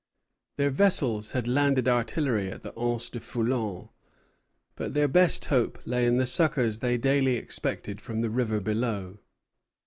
Their vessels had landed artillery at the Anse du Foulon; but their best hope lay in the succors they daily expected from the river below.